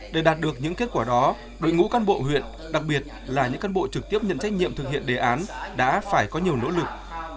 để đạt được những kết quả đó đội ngũ cán bộ huyện đặc biệt là những cán bộ trực tiếp nhận trách nhiệm thực hiện đề án đã phải có nhiều nỗ lực